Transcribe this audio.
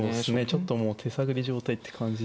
ちょっともう手探り状態って感じで。